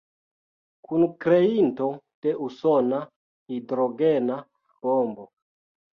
Kunkreinto de usona hidrogena bombo.